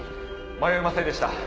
迷いませんでした。